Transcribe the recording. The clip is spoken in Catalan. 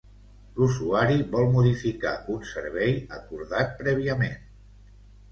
L'usuari vol modificar un servei acordat prèviament.